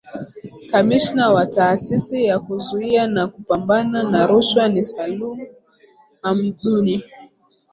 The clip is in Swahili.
Kamishna wa Taasisi ya Kuzuia na Kupambana na Rushwa ni Salum Hamduni